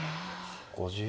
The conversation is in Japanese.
５０秒。